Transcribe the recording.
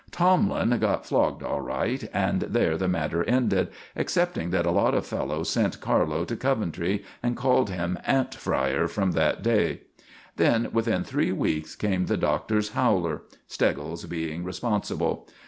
Tomlin got flogged all right, and there the matter ended, excepting that a lot of fellows sent Carlo to Coventry and called him "ant fryer" from that day. Then, within three weeks, came the Doctor's howler, Steggles being responsible.